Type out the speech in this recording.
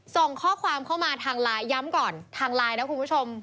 ส่งข้อความเข้ามาทางไลน์ย้ำก่อนทางไลน์นะคุณผู้ชม